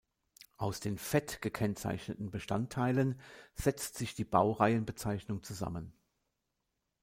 Aus den fett gekennzeichneten Bestandteilen setzt sich die Baureihenbezeichnung zusammen.